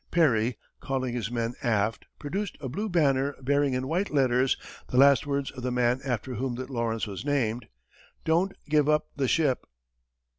Perry, calling his men aft, produced a blue banner bearing in white letters the last words of the man after whom the Lawrence was named: "Don't give up the ship!"